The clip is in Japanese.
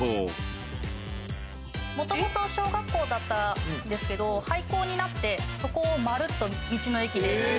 もともと小学校だったんですけど廃校になってそこをまるっと道の駅で。